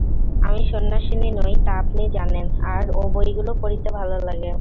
আমি সন্ন্যাসিনী নই তা আপনি জানেন, আমার ও বইগুলি পড়িতে ভালো লাগে।